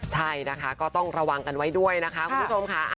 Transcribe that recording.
ใช่นะคะก็ต้องระวังกันไว้ด้วยนะคะคุณผู้ชมค่ะ